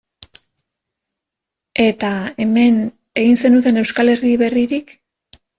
Eta, hemen, egin zenuten Euskal Herri berririk?